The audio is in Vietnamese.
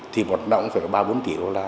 thì một năm phải là ba bốn tỷ đô la